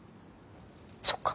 そっか。